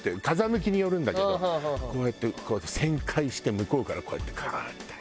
風向きによるんだけどこうやってこうやって旋回して向こうからこうやってガーッ。